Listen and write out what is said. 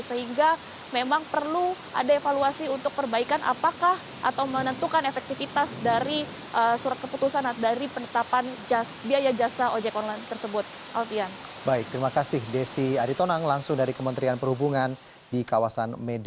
sehingga memang perlu ada evaluasi untuk perbaikan apakah atau menentukan evaluasi yang akan diperbaiki